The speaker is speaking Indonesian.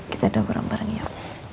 kita doang bareng bareng ya